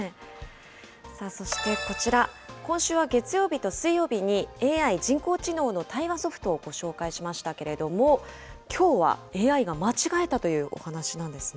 さあ、そしてこちら、今週は月曜日と水曜日に、ＡＩ・人工知能の対話ソフトをご紹介しましたけれども、きょうはＡＩが間違えたというお話なんですね。